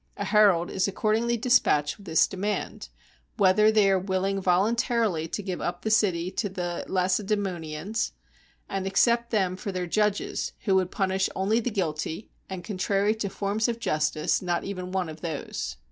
A herald is accordingly dispatched with this demand, "Whether they are willing volun tarily to give up the city to the Lacedaemonians, and 164 THE SIEGE OF PLAT^EA accept them for their judges who would punish only the guilty, and contrary to forms of justice not even one of those."